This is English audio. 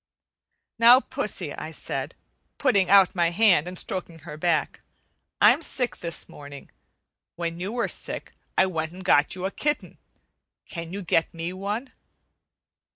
"Now, pussy," I said, putting out my hand and stroking her back, "I'm sick this morning. When you were sick, I went and got you a kitten. Can't you get me one?"